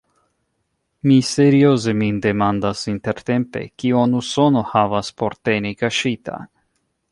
Mi serioze min demandas intertempe: kion Usono havas por teni kaŝita?